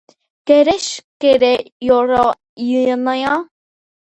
გერეშ გერე ირო იინია